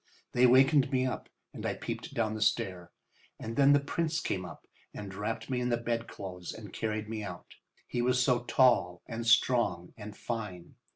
They wakened me up and I peeped down the stair. And then the Prince came up and wrapped me in the bedclothes and carried me out. He was so tall and strong and fine.